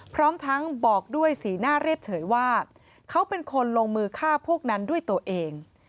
พร้อมทั้งบอกด้วยสีหน้าเรียบเฉยว่าเขาเป็นคนลงมือฆ่าพวกนั้นด้วยตัวเอง